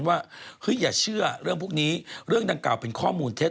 ว่าอย่าเชื่อเรื่องพวกนี้เรื่องดังกล่าวเป็นข้อมูลเท็จ